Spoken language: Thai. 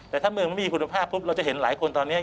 แต่ถ้าเมืองไม่มีคุณภาพปุ๊บเราจะเห็นหลายคนตอนนี้